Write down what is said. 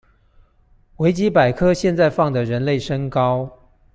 維基百科現在放的人類身高